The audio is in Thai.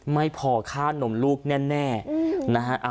ไม่พอค่านมลูกแน่นะฮะ